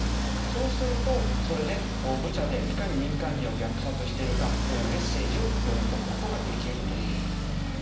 そうするとそれでブチャでいかに民間人を虐殺しているかというメッセージを読み解く事ができるという。